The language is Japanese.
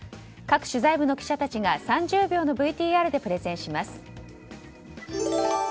各取材部の記者たちが３０秒のＶＴＲでプレゼンします。